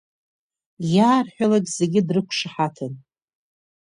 Иаарҳәалак зегьы дрықәшаҳаҭын.